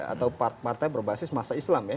atau partai berbasis masa islam ya